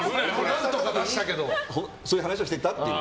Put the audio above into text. そういう話をしてたという。